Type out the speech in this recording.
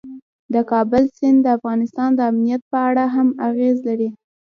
د کابل سیند د افغانستان د امنیت په اړه هم اغېز لري.